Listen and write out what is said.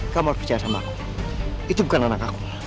kamu harus bicara sama aku itu bukan anakku